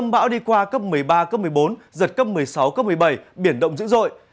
bão đi qua cấp một mươi ba cấp một mươi bốn giật cấp một mươi sáu cấp một mươi bảy biển động dữ dội